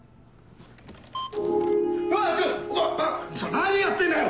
何やってんだよ！